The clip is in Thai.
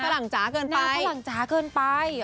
หน้าฝรั่งจ๋าเกินไป